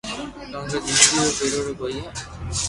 ڪونڪھ زندگي رو ڀھريري ڪوئي ھي